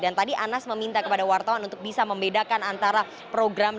dan tadi anas meminta kepada wartawan untuk bisa membedakan antara program dengan proyek